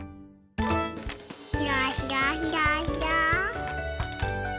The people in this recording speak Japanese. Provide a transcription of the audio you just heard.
ひらひらひらひら。